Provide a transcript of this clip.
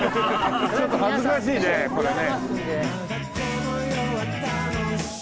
ちょっと恥ずかしいねこれね。